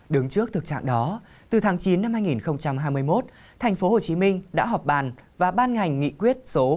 đứng trước thực trạng đó từ tháng chín năm hai nghìn hai mươi một tp hcm đã họp bàn và ban hành nghị quyết số hai